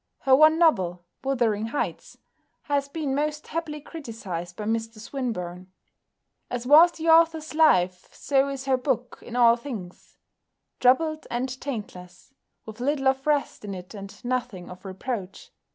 Her one novel, "Wuthering Heights," has been most happily criticised by Mr Swinburne: "As was the author's life so is her book in all things; troubled and taintless, with little of rest in it and nothing of reproach.